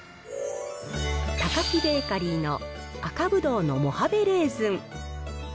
タカキベーカリーの赤葡萄のモハベレーズン。